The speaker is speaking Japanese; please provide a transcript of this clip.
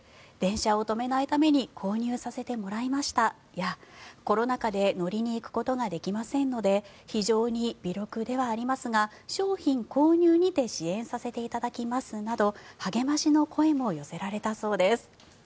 電車を止めないために購入させてもらいましたコロナ禍で乗りに行くことができませんので非常に微力ではありますが商品購入にて支援させていただきますなど励ましの声も寄せられたそうです。